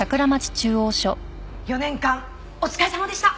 ４年間お疲れさまでした！